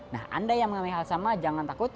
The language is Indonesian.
nah anda yang mengalami hal sama jangan takut